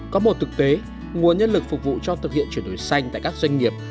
có một thực tế nguồn nhân lực phục vụ cho thực hiện chuyển đổi xanh tại các doanh nghiệp